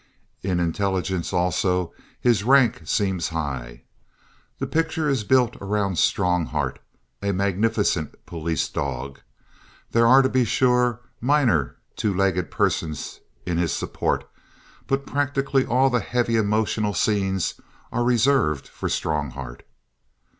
In intelligence, also, his rank seems high. The picture is built around Strongheart, a magnificent police dog. There are, to be sure, minor two legged persons in his support, but practically all the heavy emotional scenes are reserved for Strongheart.